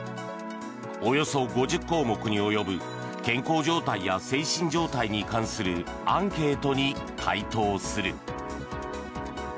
およそ５０項目に及ぶ健康状態や精神状態に関するアンケートに回答する。